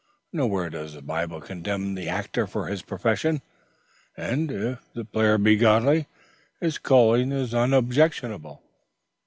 Nowhere does the Bible condemn the actor for his profession; and, if the player be godly, his calling is unobjectionable.